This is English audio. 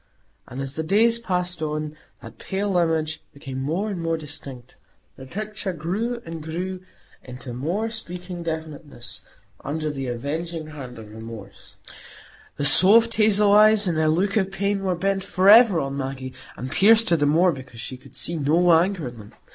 And as the days passed on, that pale image became more and more distinct; the picture grew and grew into more speaking definiteness under the avenging hand of remorse; the soft hazel eyes, in their look of pain, were bent forever on Maggie, and pierced her the more because she could see no anger in them.